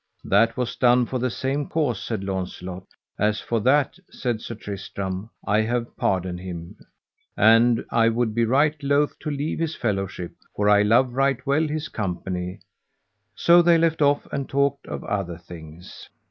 That was done for the same cause, said Launcelot. As for that, said Sir Tristram, I have pardoned him, and I would be right loath to leave his fellowship, for I love right well his company: so they left off and talked of other things.